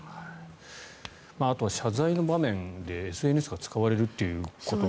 あとは謝罪の場面でＳＮＳが使われるっていうことが。